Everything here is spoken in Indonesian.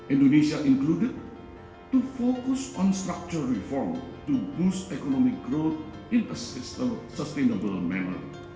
indonesia termasuk untuk fokus pada reformasi struktural untuk meningkatkan kembang ekonomi dalam cara yang berkembang